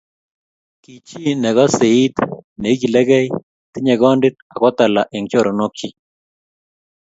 Kichi nekosei it, neikilegei, tinyei kondit ako talaa eng choronokchi